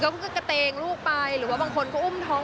เขาก็กระเตงลูกไปหรือว่าบางคนก็อุ้มท้อง